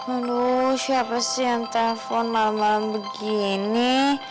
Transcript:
lalu siapa sih yang telepon malam malam begini